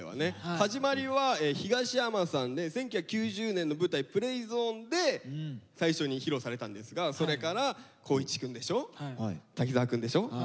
始まりは東山さんで１９９０年の舞台「ＰＬＡＹＺＯＮＥ」で最初に披露されたんですがそれから光一くんでしょ滝沢くんでしょ